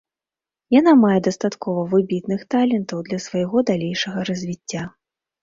Яна мае дастаткова выбітных талентаў для свайго далейшага развіцця.